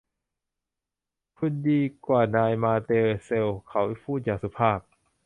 คุณดีกว่านายมาเด็ลแซลเขาพูดอย่างสุภาพ